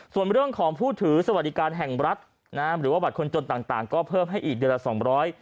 ส่วนเรื่องของผู้ถือสวัสดิการแห่งรัฐนะฮะหรือว่าบัตรคนจนต่างต่างก็เพิ่มให้อีกเดือนละสองร้อย